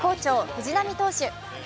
・藤浪投手。